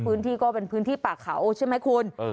พื้นที่ก็เป็นพื้นที่ป่าเขาใช่ไหมคุณ